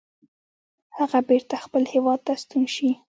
هغه بیرته خپل هیواد ته ستون شي.